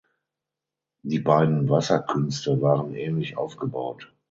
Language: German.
Die beiden Wasserkünste waren ähnlich aufgebaut.